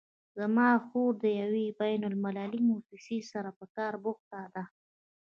زما خور د یوې بین المللي مؤسسې سره په کار بوخته ده